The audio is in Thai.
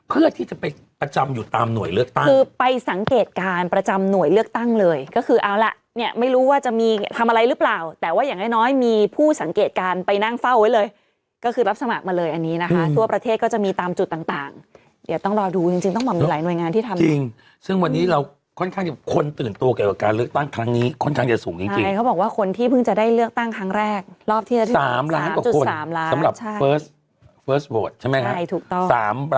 เอาไว้เลยก็คือรับสมัครมาเลยอันนี้นะคะทั่วประเทศก็จะมีตามจุดต่างต่างเดี๋ยวต้องรอดูจริงจริงต้องบอกมีหลายหน่วยงานที่ทำจริงซึ่งวันนี้เราค่อนข้างจะคนตื่นตัวเกี่ยวกับการเลือกตั้งครั้งนี้ค่อนข้างจะสูงจริงจริงใช่เขาบอกว่าคนที่เพิ่งจะได้เลือกตั้งครั้งแรกรอบที่สามล้านกว่าคนสำหรับเฟิร์สเฟิร